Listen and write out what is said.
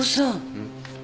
うん？